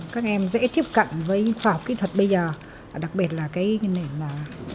các em dễ tiếp cận với khoa học kỹ thuật bây giờ đặc biệt là cái nền là bốn